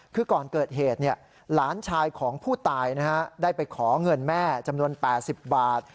คือก่อนเกิดเหตุหลานชายของผู้ตายได้ไปขอเงินแม่จำนวน๘๐บาท